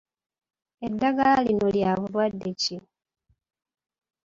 Eddagala lino lya bulwadde ki?